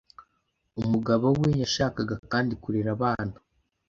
Umugabo we yashakaga kandi kurera abana.